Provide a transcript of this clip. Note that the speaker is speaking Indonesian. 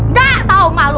nggak tau malu